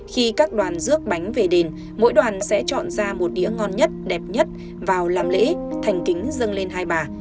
khi các đoàn rước bánh về đền mỗi đoàn sẽ chọn ra một đĩa ngon nhất đẹp nhất vào làm lễ thành kính dâng lên hai bà